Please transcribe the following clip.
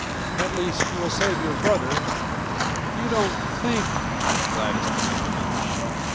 "At least we'll save your brother." "You don't think—" Gladys did not finish.